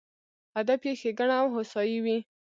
هدف یې ښېګڼه او هوسایي وي.